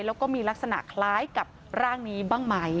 แล้วก็มีลักษณะคล้ายกับร่างนี้บ้างไหม